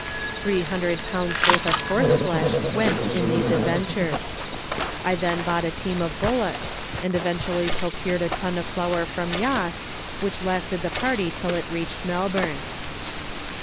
Three hundred pounds worth of horse flesh went in these adventures. I then bought a team of bullocks, and Letters from Victorian Pioneers. 171 eventually procured a ton of flour from Yass, which lasted the party till it reached Melbourne.